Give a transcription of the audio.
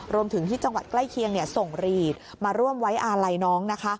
รวมถึงที่จังหวัดใกล้เคียงส่งหรีดมาร่วมไว้อาลัยน้อง